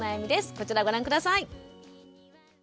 こちらご覧下さい。